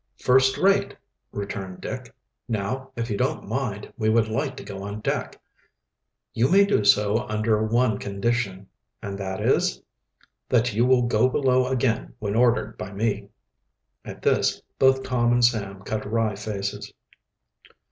"First rate," returned Dick. "Now, if you don't mind, we would like to go on deck." "You may do so under one condition." "And that is ?" "That you will go below again when ordered by me." At this both Tom and Sam cut wry faces.